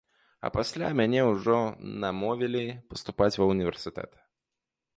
А пасля мяне ўжо намовілі паступаць ва ўніверсітэт.